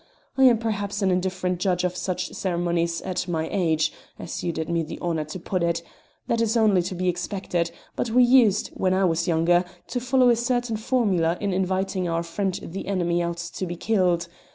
I am perhaps an indifferent judge of such ceremonies; at my age as you did me the honour to put it that is only to be expected, but we used, when I was younger, to follow a certain formula in inviting our friend the enemy out to be killed.